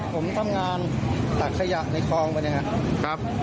ผมทำงานตักขยะในคลองไปนะครับ